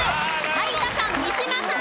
有田さん三島さん